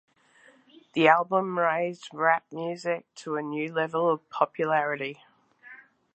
The album raised rap music to a new level of popularity.